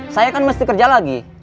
saya kan mesti kerja lagi